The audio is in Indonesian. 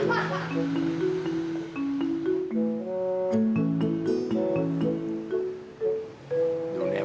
aku harapan davit jahat